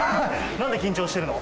なんで緊張してるの？